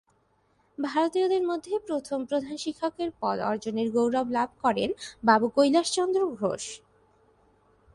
ভারতীয়দের মধ্যে প্রথম প্রধান শিক্ষকের পদ অর্জনের গৌরব লাভ করেন বাবু কৈলাস চন্দ্র ঘোষ।